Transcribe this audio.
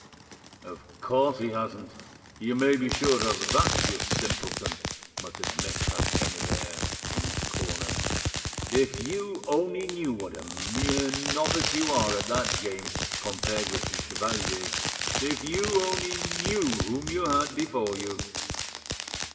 "Of course he hasn't, you may be sure of that, you simpleton!" muttered Maitre Quennebert in his corner. "If you only knew what a mere novice you are at that game compared with the chevalier! If you only knew whom you had before you!"